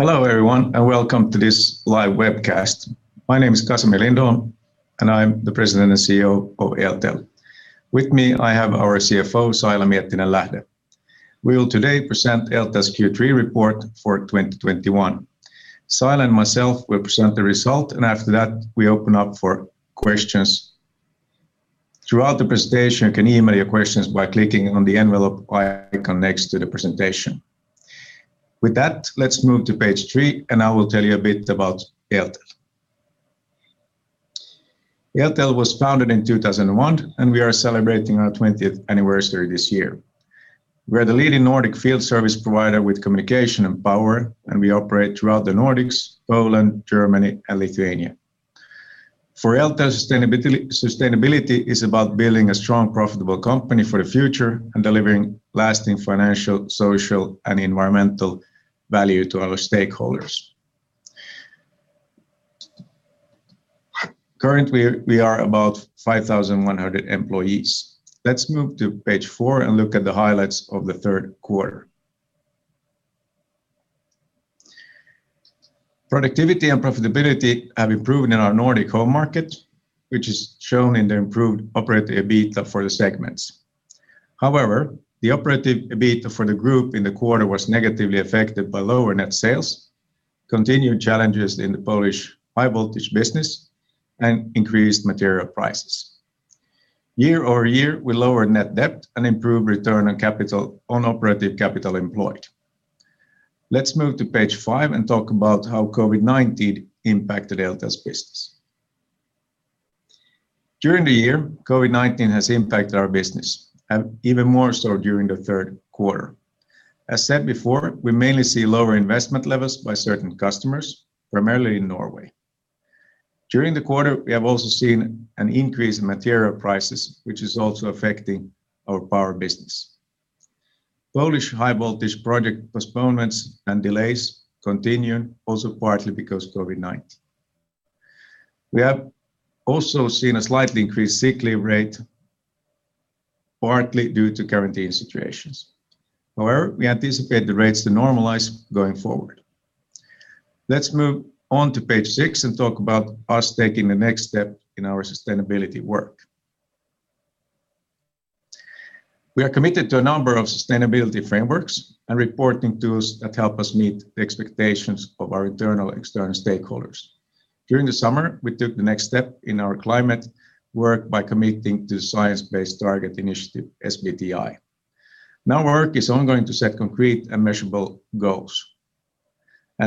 Hello everyone, and welcome to this live webcast. My name is Casimir Lindholm, and I'm the President and CEO of Eltel. With me, I have our CFO, Saila Miettinen-Lähde. We will today present Eltel's Q3 report for 2021. Saila and myself will present the result, and after that, we open up for questions. Throughout the presentation, you can email your questions by clicking on the envelope icon next to the presentation. With that, let's move to page three, and I will tell you a bit about Eltel. Eltel was founded in 2001, and we are celebrating our 20th anniversary this year. We're the leading Nordic field service provider with communication and power, and we operate throughout the Nordics, Poland, Germany and Lithuania. For Eltel, sustainability is about building a strong, profitable company for the future and delivering lasting financial, social, and environmental value to our stakeholders. Currently, we are about 5,100 employees. Let's move to page four and look at the highlights of the third quarter. Productivity and profitability have improved in our Nordic home market, which is shown in the improved operative EBITA for the segments. However, the operative EBITA for the group in the quarter was negatively affected by lower net sales, continued challenges in the Polish high-voltage business, and increased material prices. Year-over-year, we lowered net debt and improved return on capital on operative capital employed. Let's move to page five and talk about how COVID-19 impacted Eltel's business. During the year, COVID-19 has impacted our business, and even more so during the third quarter. As said before, we mainly see lower investment levels by certain customers, primarily in Norway. During the quarter, we have also seen an increase in material prices, which is also affecting our power business. Polish high-voltage project postponements and delays continue, also partly because of COVID-19. We have also seen a slightly increased sick leave rate, partly due to quarantine situations. However, we anticipate the rates to normalize going forward. Let's move on to page six and talk about us taking the next step in our sustainability work. We are committed to a number of sustainability frameworks and reporting tools that help us meet the expectations of our internal and external stakeholders. During the summer, we took the next step in our climate work by committing to Science Based Targets initiative, SBTi. Now our work is ongoing to set concrete and measurable goals.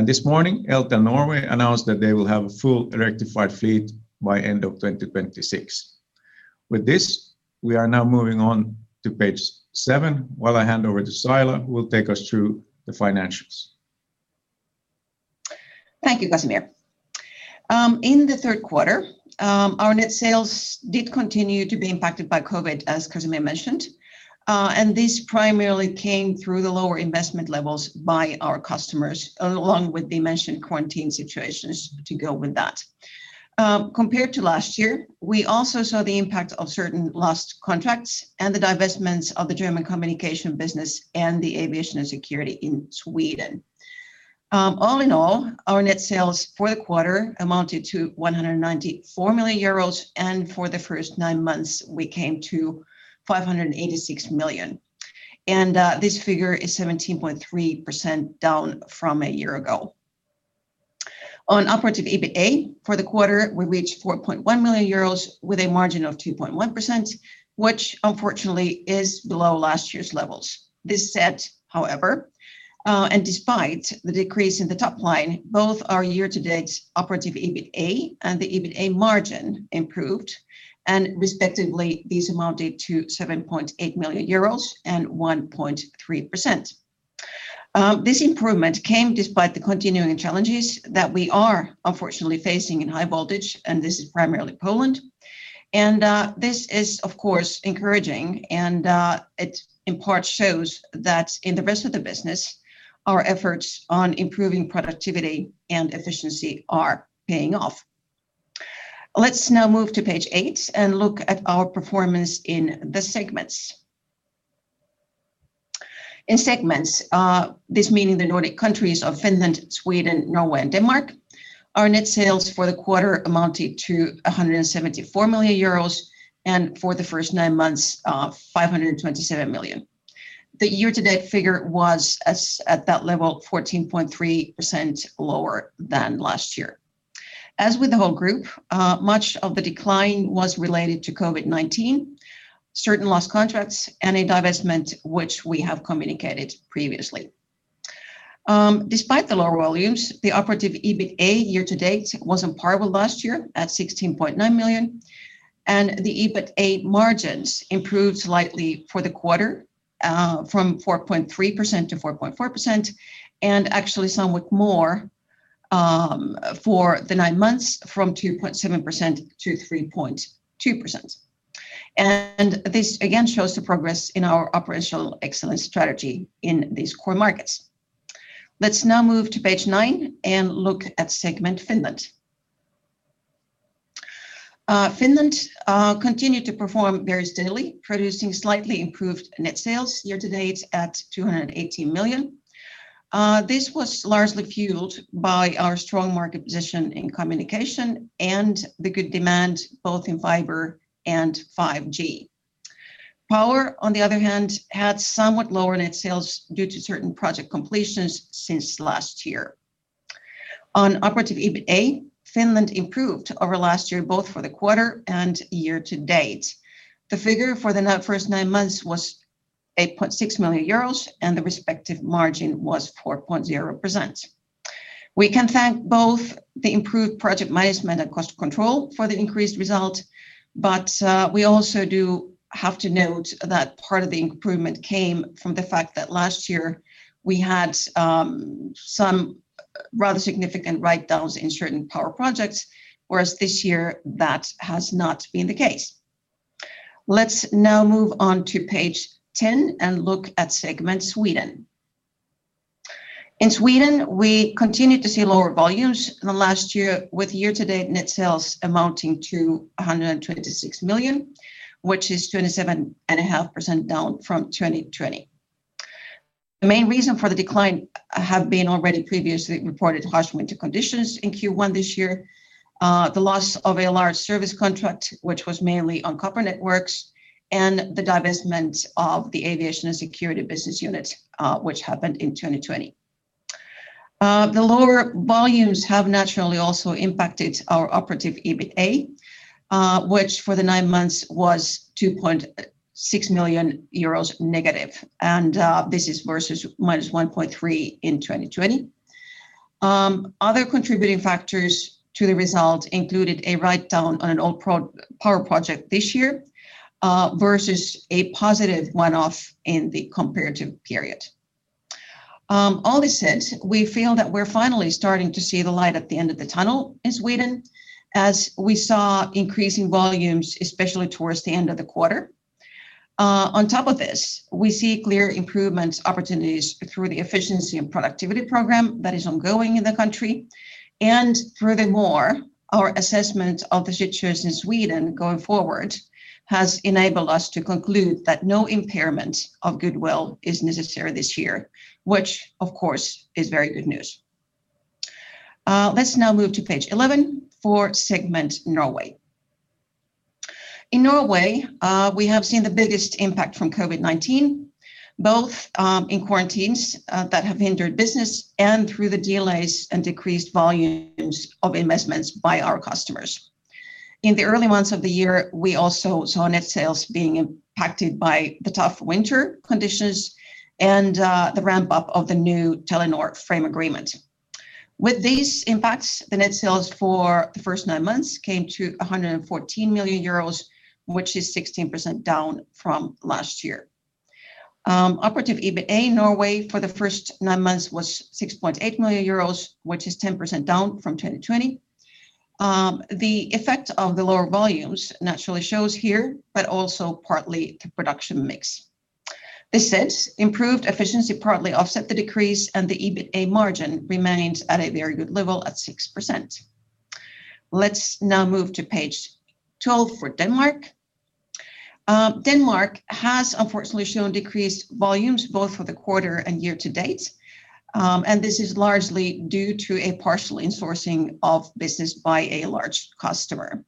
This morning, Eltel Norway announced that they will have a fully electrified fleet by end of 2026. With this, we are now moving on to page seven, while I hand over to Saila, who will take us through the financials. Thank you, Casimir. In the third quarter, our net sales did continue to be impacted by COVID, as Casimir mentioned. This primarily came through the lower investment levels by our customers, along with the mentioned quarantine situations to go with that. Compared to last year, we also saw the impact of certain lost contracts and the divestments of the German communication business and the Aviation & Security in Sweden. All in all, our net sales for the quarter amounted to 194 million euros, and for the first nine months, we came to 586 million. This figure is 17.3% down from a year ago. On operative EBITA for the quarter, we reached 4.1 million euros with a margin of 2.1%, which unfortunately is below last year's levels. This said, however, and despite the decrease in the top line, both our year-to-date operative EBITA and the EBITA margin improved, and respectively, these amounted to 7.8 million euros and 1.3%. This improvement came despite the continuing challenges that we are unfortunately facing in high voltage, and this is primarily Poland. This is of course encouraging, and it in part shows that in the rest of the business, our efforts on improving productivity and efficiency are paying off. Let's now move to page eight and look at our performance in the segments. In segments, this meaning the Nordic countries of Finland, Sweden, Norway, and Denmark, our net sales for the quarter amounted to 174 million euros and for the first nine months, 527 million. The year-to-date figure was at that level, 14.3% lower than last year. As with the whole group, much of the decline was related to COVID-19, certain lost contracts, and a divestment which we have communicated previously. Despite the lower volumes, the operative EBITA year-to-date was on par with last year, at 16.9 million, and the EBITA margins improved slightly for the quarter, from 4.3% to 4.4%, and actually somewhat more, for the nine months from 2.7% to 3.2%. This again shows the progress in our operational excellence strategy in these core markets. Let's now move to page nine and look at segment Finland. Finland continued to perform very steadily, producing slightly improved net sales year-to-date at 280 million. This was largely fueled by our strong market position in communication and the good demand both in fiber and 5G. Power, on the other hand, had somewhat lower net sales due to certain project completions since last year. On operative EBITA, Finland improved over last year, both for the quarter and year-to-date. The figure for the first nine months was 8.6 million euros, and the respective margin was 4.0%. We can thank both the improved project management and cost control for the increased result. We also do have to note that part of the improvement came from the fact that last year we had some rather significant write-downs in certain power projects, whereas this year that has not been the case. Let's now move on to page 10 and look at segment Sweden. In Sweden, we continued to see lower volumes than last year, with year-to-date net sales amounting to 126 million, which is 27.5% down from 2020. The main reason for the decline have been already previously reported harsh winter conditions in Q1 this year, the loss of a large service contract, which was mainly on copper networks, and the divestment of the Aviation & Security business unit, which happened in 2020. The lower volumes have naturally also impacted our operative EBITA, which for the nine months was -2.6 million euros. This is versus -1.3 million in 2020. Other contributing factors to the result included a write-down on an old power project this year, versus a positive one-off in the comparative period. All this said, we feel that we're finally starting to see the light at the end of the tunnel in Sweden, as we saw increasing volumes, especially towards the end of the quarter. On top of this, we see clear improvement opportunities through the efficiency and productivity program that is ongoing in the country. Furthermore, our assessment of the situation in Sweden going forward has enabled us to conclude that no impairment of goodwill is necessary this year, which of course is very good news. Let's now move to page 11 for segment Norway. In Norway, we have seen the biggest impact from COVID-19, both in quarantines that have hindered business and through the delays and decreased volumes of investments by our customers. In the early months of the year, we also saw net sales being impacted by the tough winter conditions and the ramp-up of the new Telenor frame agreement. With these impacts, the net sales for the first nine months came to 114 million euros, which is 16% down from last year. Operative EBITA in Norway for the first nine months was 6.8 million euros, which is 10% down from 2020. The effect of the lower volumes naturally shows here, but also partly the production mix. This said, improved efficiency partly offset the decrease, and the EBITA margin remains at a very good level at 6%. Let's now move to page 12 for Denmark. Denmark has unfortunately shown decreased volumes both for the quarter and year-to-date, and this is largely due to a partial insourcing of business by a large customer.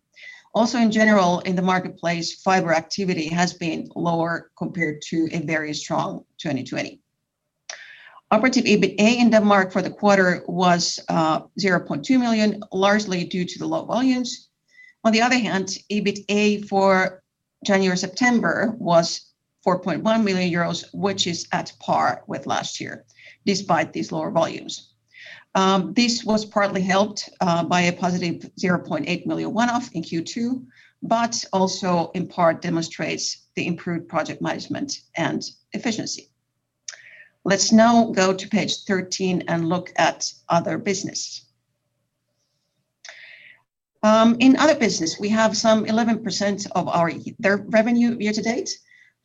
Also, in general, in the marketplace, fiber activity has been lower compared to a very strong 2020. Operative EBITA in Denmark for the quarter was 0.2 million, largely due to the low volumes. On the other hand, EBITA for January to September was 4.1 million euros, which is at par with last year, despite these lower volumes. This was partly helped by a positive 0.8 million one-off in Q2, but also in part demonstrates the improved project management and efficiency. Let's now go to page 13 and look at other business. In other business, we have some 11% of our revenue year-to-date.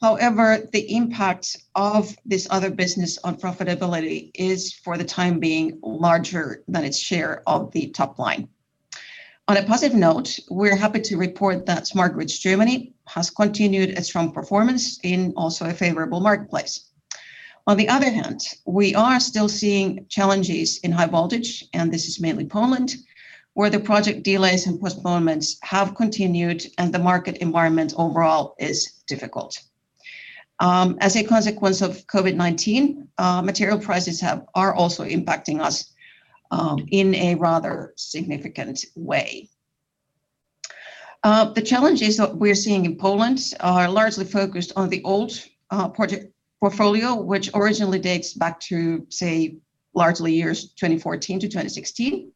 However, the impact of this other business on profitability is, for the time being, larger than its share of the top line. On a positive note, we're happy to report that Smart Grids Germany has continued a strong performance in also a favorable marketplace. On the other hand, we are still seeing challenges in High Voltage, and this is mainly Poland, where the project delays and postponements have continued and the market environment overall is difficult. As a consequence of COVID-19, material prices are also impacting us in a rather significant way. The challenges that we're seeing in Poland are largely focused on the old project portfolio, which originally dates back to, say, largely years 2014 to 2016.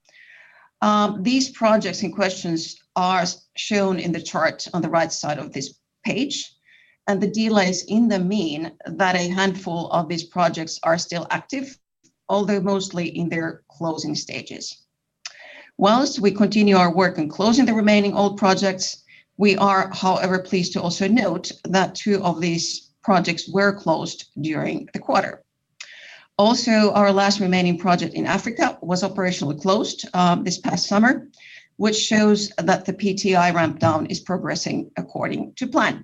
These projects in question are shown in the chart on the right side of this page, and the delays in them mean that a handful of these projects are still active, although mostly in their closing stages. While we continue our work in closing the remaining old projects, we are, however, pleased to also note that two of these projects were closed during the quarter. Also, our last remaining project in Africa was operationally closed this past summer, which shows that the PTI ramp down is progressing according to plan.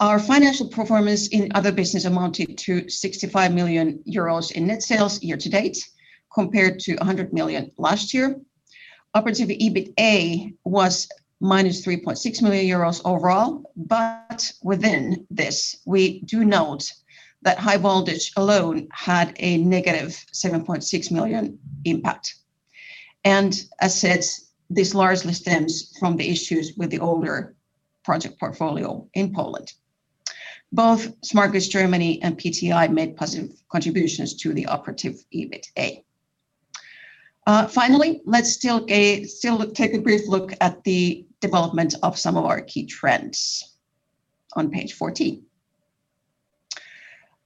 Our financial performance in other business amounted to 65 million euros in net sales year-to-date, compared to 100 million last year. Operative EBITA was -3.6 million euros overall, but within this we do note that High Voltage alone had a -7.6 million impact. As said, this largely stems from the issues with the older project portfolio in Poland. Both Smart Grids Germany and PTI made positive contributions to the operative EBITA. Finally, let's still take a brief look at the development of some of our key trends on page 14.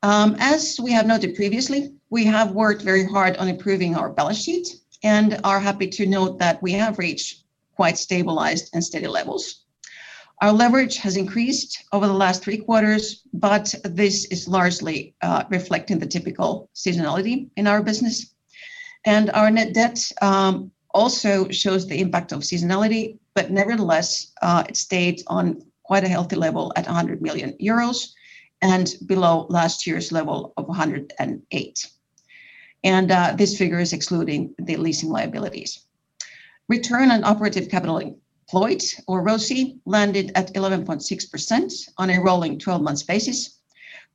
As we have noted previously, we have worked very hard on improving our balance sheet and are happy to note that we have reached quite stabilized and steady levels. Our leverage has increased over the last three quarters, but this is largely reflecting the typical seasonality in our business. Our net debt also shows the impact of seasonality, but nevertheless, it stayed on quite a healthy level at 100 million euros and below last year's level of 108 million. This figure is excluding the leasing liabilities. Return on operative capital employed or ROCE landed at 11.6% on a rolling 12-months basis.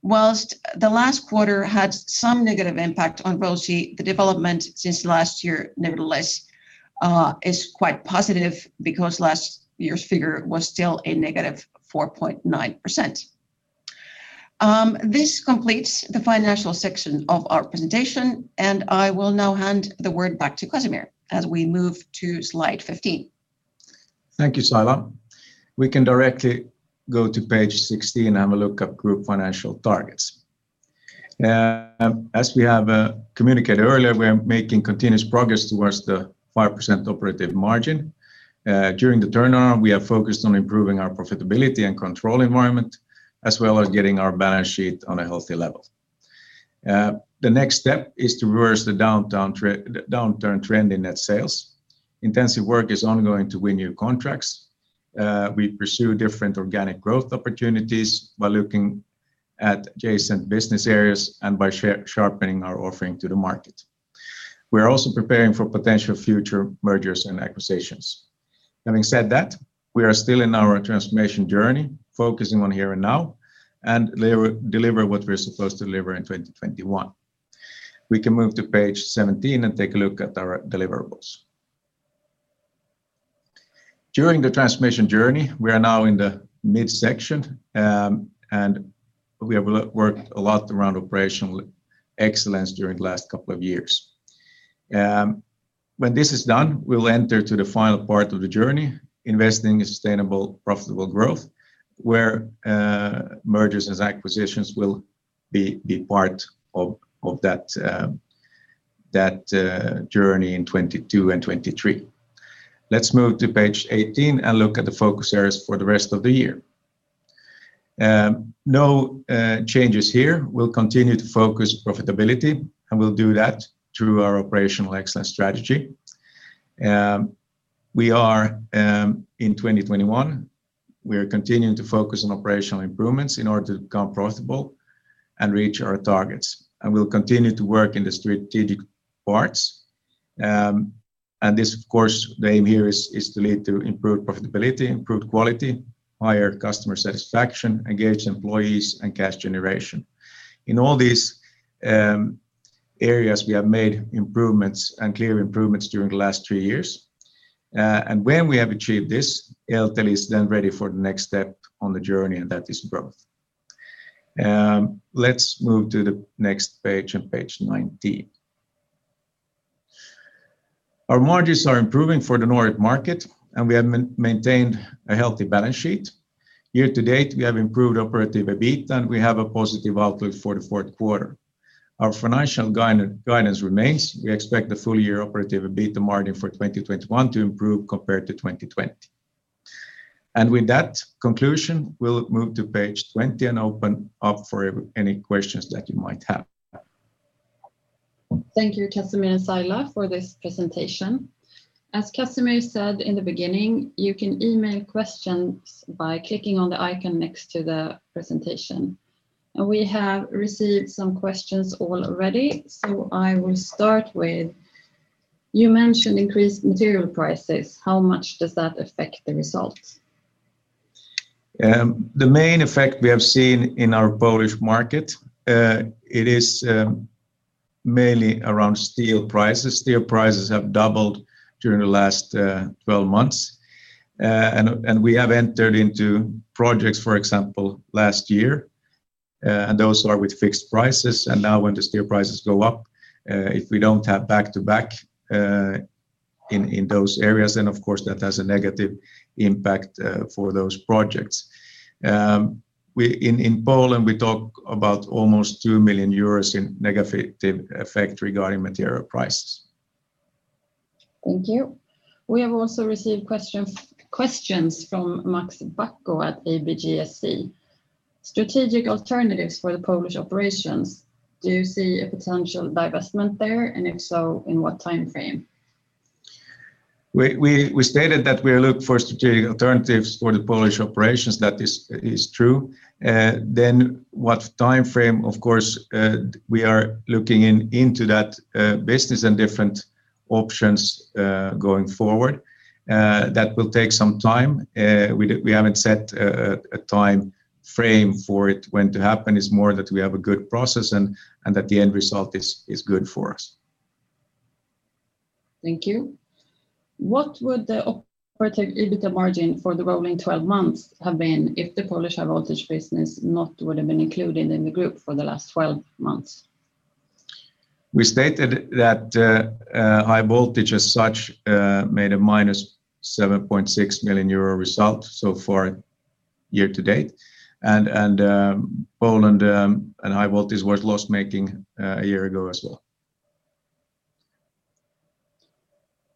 While the last quarter had some negative impact on ROCE, the development since last year nevertheless is quite positive because last year's figure was still a -4.9%. This completes the financial section of our presentation, and I will now hand the word back to Casimir as we move to slide 15. Thank you, Saila. We can directly go to page 16 and have a look at group financial targets. As we have communicated earlier, we are making continuous progress towards the 5% operative margin. During the turnaround, we have focused on improving our profitability and control environment, as well as getting our balance sheet on a healthy level. The next step is to reverse the downturn trend in net sales. Intensive work is ongoing to win new contracts. We pursue different organic growth opportunities by looking at adjacent business areas and by sharpening our offering to the market. We are also preparing for potential future mergers and acquisitions. Having said that, we are still in our transformation journey, focusing on here and now, and deliver what we're supposed to deliver in 2021. We can move to page 17 and take a look at our deliverables. During the transformation journey, we are now in the midsection, and we have worked a lot around operational excellence during the last couple of years. When this is done, we'll enter to the final part of the journey, investing in sustainable, profitable growth, where mergers and acquisitions will be part of that journey in 2022 and 2023. Let's move to page 18 and look at the focus areas for the rest of the year. No changes here. We'll continue to focus profitability, and we'll do that through our operational excellence strategy. We are in 2021, we are continuing to focus on operational improvements in order to become profitable and reach our targets. We'll continue to work in the strategic parts. This of course, the aim here is to lead to improved profitability, improved quality, higher customer satisfaction, engaged employees, and cash generation. In all these areas, we have made improvements and clear improvements during the last three years. When we have achieved this, Eltel is then ready for the next step on the journey, and that is growth. Let's move to the next page on page 19. Our margins are improving for the Nordic market, and we have maintained a healthy balance sheet. Year-to-date, we have improved operative EBITA, and we have a positive outlook for the fourth quarter. Our financial guidance remains. We expect the full year operative EBITA margin for 2021 to improve compared to 2020. With that conclusion, we'll move to page 20 and open up for any questions that you might have. Thank you, Casimir and Saila, for this presentation. As Casimir said in the beginning, you can email questions by clicking on the icon next to the presentation. We have received some questions already, so I will start with: You mentioned increased material prices. How much does that affect the results? The main effect we have seen in our Polish market, it is mainly around steel prices. Steel prices have doubled during the last 12 months. We have entered into projects, for example, last year, and those are with fixed prices. Now when the steel prices go up, if we don't have back-to-back in those areas, then of course that has a negative impact for those projects. In Poland we talk about almost 2 million euros in negative effect regarding material prices. Thank you. We have also received questions from Max Bacco at ABGSC. Strategic alternatives for the Polish operations, do you see a potential divestment there? If so, in what time frame? We stated that we are looking for strategic alternatives for the Polish operations. That is true. Then what time frame? Of course, we are looking into that business and different options going forward. That will take some time. We haven't set a time frame for it when to happen. It's more that we have a good process and that the end result is good for us. Thank you. What would the operative EBITA margin for the rolling 12 months have been if the Polish high-voltage business not would've been included in the group for the last 12 months? We stated that High Voltage as such made a -7.6 million euro result so far year-to-date, and Poland and High Voltage was loss-making a year ago as well.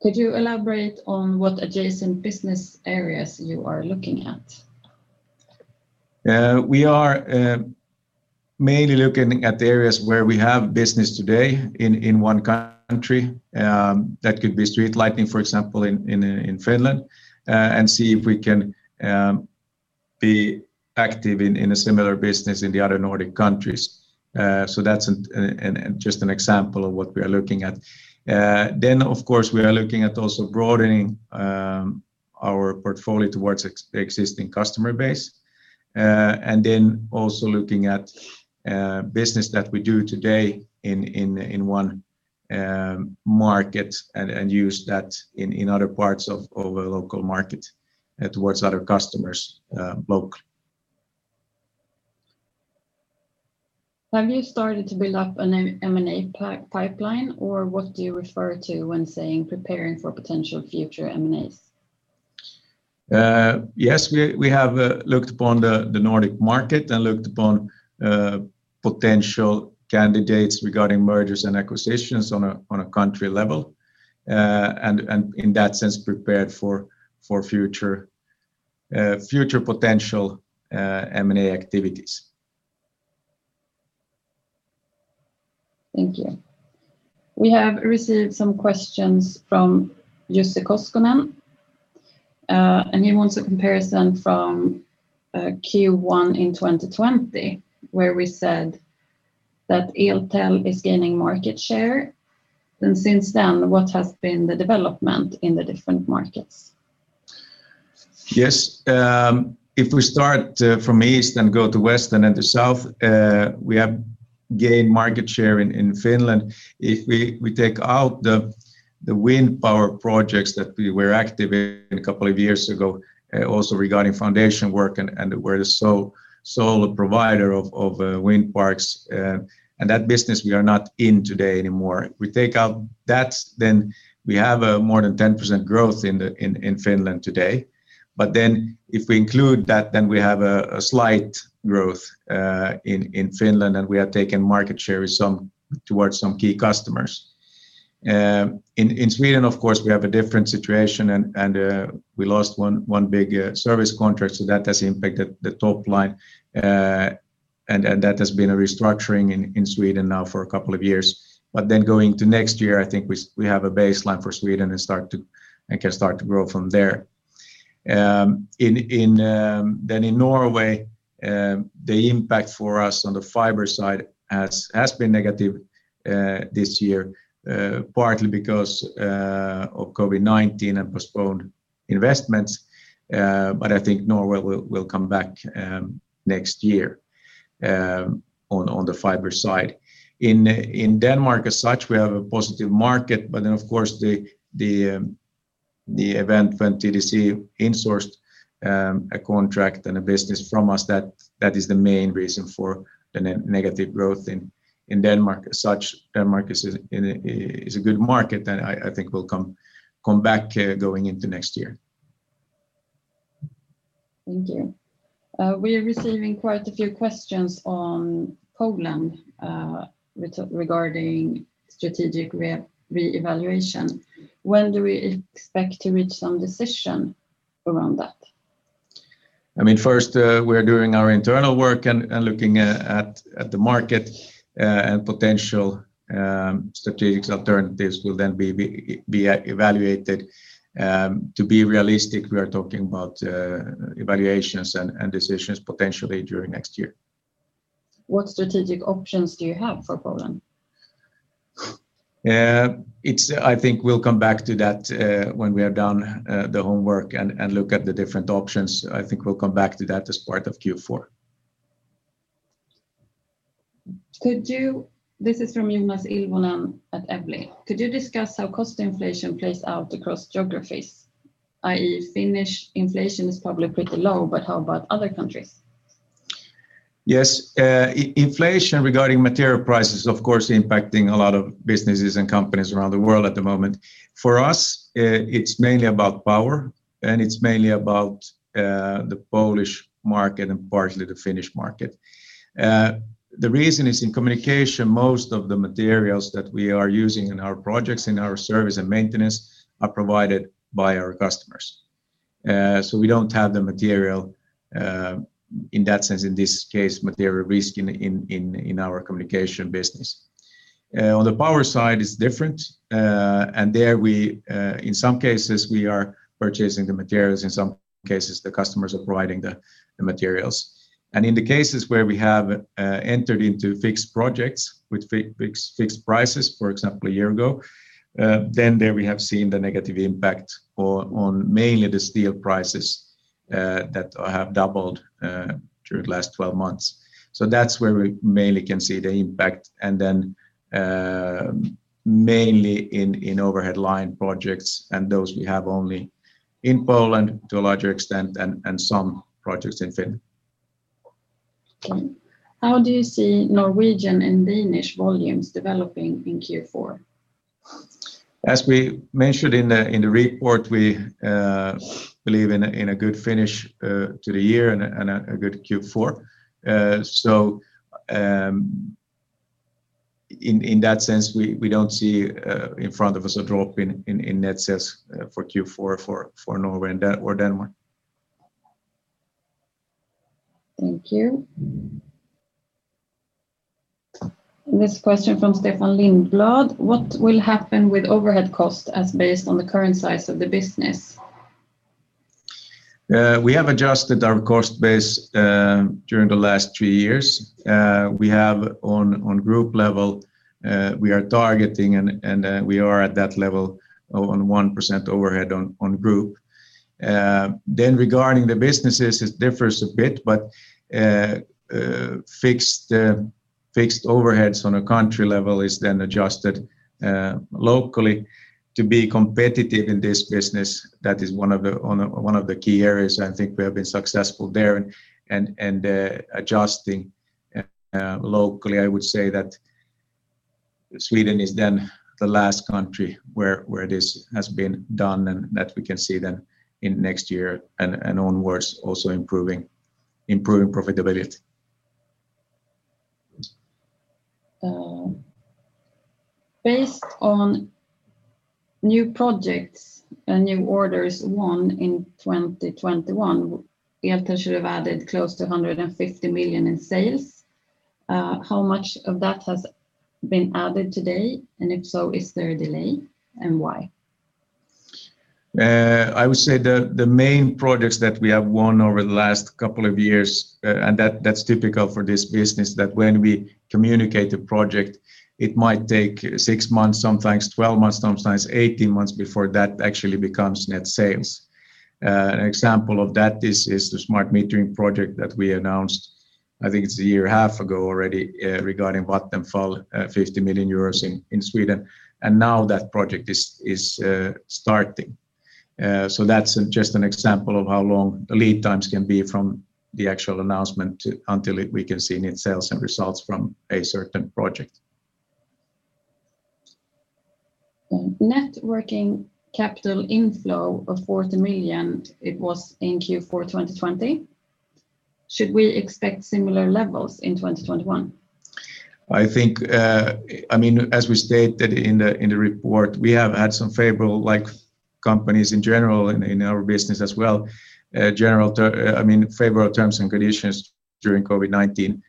Could you elaborate on what adjacent business areas you are looking at? We are mainly looking at the areas where we have business today in one country, that could be street lighting, for example, in Finland, and see if we can be active in a similar business in the other Nordic countries. That's just an example of what we are looking at. Of course, we are looking at also broadening our portfolio towards existing customer base, and then also looking at business that we do today in one market and use that in other parts of a local market towards other customers locally. Have you started to build up an M&A pipeline, or what do you refer to when saying preparing for potential future M&As? Yes. We have looked upon the Nordic market and looked upon potential candidates regarding mergers and acquisitions on a country level, and in that sense, prepared for future potential M&A activities. Thank you. We have received some questions from Jussi Koskinen, and he wants a comparison from Q1 in 2020 where we said that Eltel is gaining market share. Since then, what has been the development in the different markets? Yes. If we start from east and go to west and then to south, we have gained market share in Finland. If we take out the wind power projects that we were active in a couple of years ago, also regarding foundation work and we're the sole provider of wind parks. That business we are not in today anymore. We take out that, then we have more than 10% growth in Finland today. If we include that, we have a slight growth in Finland, and we have taken market share towards some key customers. In Sweden of course, we have a different situation and we lost one big service contract, so that has impacted the top line. That has been a restructuring in Sweden now for a couple of years. Going to next year, I think we have a baseline for Sweden and can start to grow from there. In Norway, the impact for us on the fiber side has been negative this year, partly because of COVID-19 and postponed investments. I think Norway will come back next year on the fiber side. In Denmark as such, we have a positive market, but then of course the event when TDC insourced a contract and a business from us, that is the main reason for the negative growth in Denmark as such. Denmark is a good market that I think will come back going into next year. Thank you. We are receiving quite a few questions on Poland, regarding strategic reevaluation. When do we expect to reach some decision around that? I mean, first, we are doing our internal work and looking at the market and potential strategic alternatives will then be evaluated. To be realistic, we are talking about evaluations and decisions potentially during next year. What strategic options do you have for Poland? I think we'll come back to that when we have done the homework and look at the different options. I think we'll come back to that as part of Q4. This is from Joonas Ilvonen at Evli. Could you discuss how cost inflation plays out across geographies? i.e., Finnish inflation is probably pretty low, but how about other countries? Yes. Inflation regarding material prices, of course, impacting a lot of businesses and companies around the world at the moment. For us, it's mainly about power, and it's mainly about the Polish market and partly the Finnish market. The reason is in communication, most of the materials that we are using in our projects, in our service and maintenance are provided by our customers. So we don't from Stefan Lindblad, what will happen with overhead costs as based on the current size of the business? We have adjusted our cost base during the last three years. We have on group level, we are targeting and we are at that level of on 1% overhead on group. Regarding the businesses, it differs a bit, but fixed overheads on a country level is then adjusted locally to be competitive in this business. That is one of the key areas I think we have been successful there and adjusting locally. I would say that Sweden is the last country where this has been done and that we can see then in next year and onwards also improving profitability. Based on new projects and new orders won in 2021, Eltel should have added close to 150 million in sales. How much of that has been added today? If so, is there a delay, and why? I would say the main projects that we have won over the last couple of years, and that's typical for this business, that when we communicate a project, it might take six months sometimes, 12 months sometimes, 18 months before that actually becomes net sales. An example of that is the smart metering project that we announced, I think it's a year and a half ago already, regarding Vattenfall, 50 million euros in Sweden, and now that project is starting. That's just an example of how long lead times can be from the actual announcement until we can see net sales and results from a certain project. Net working capital inflow of 40 million it was in Q4 2020. Should we expect similar levels in 2021? I think, I mean, as we stated in the report, we have had some favorable, like companies in general in our business as well, I mean, favorable terms and conditions during COVID-19,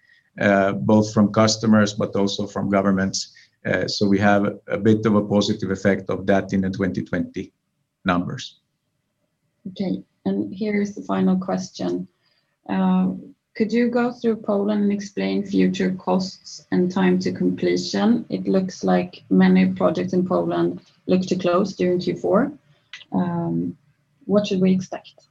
both from customers but also from governments. We have a bit of a positive effect of that in the 2020 numbers. Okay. Here is the final question. Could you go through Poland and explain future costs and time to completion? It looks like many projects in Poland look to close during Q4. What should we expect?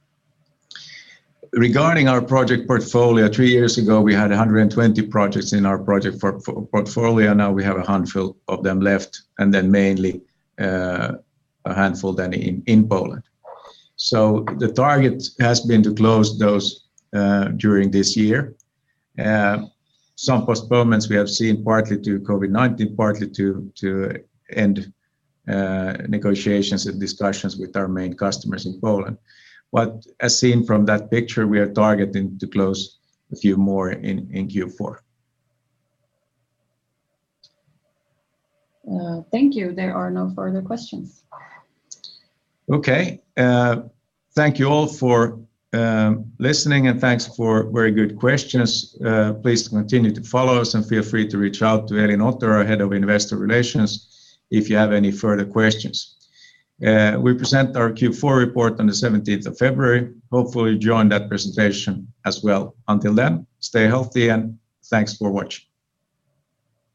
Regarding our project portfolio, three years ago we had 120 projects in our project portfolio. Now we have a handful of them left, and then mainly a handful in Poland. The target has been to close those during this year. Some postponements we have seen partly to COVID-19, partly to end negotiations and discussions with our main customers in Poland. As seen from that picture, we are targeting to close a few more in Q4. Thank you. There are no further questions. Okay. Thank you all for listening, and thanks for very good questions. Please continue to follow us, and feel free to reach out to Elin Otter, our Head of Investor Relations, if you have any further questions. We present our Q4 report on the 17th of February. Hopefully you join that presentation as well. Until then, stay healthy, and thanks for watching.